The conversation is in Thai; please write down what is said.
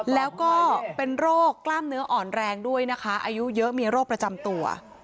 แล้วก็เป็นโรคกล้ามเนื้ออ่อนแรงด้วยนะคะอายุเยอะมีโรคประจำตัว